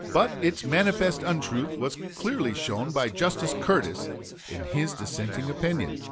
But its manifest untruth was clearly shown by Justice Curtis in his dissenting opinion.